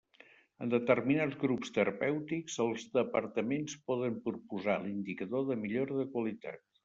En determinats grups terapèutics, els departaments poden proposar l'indicador de millora de qualitat.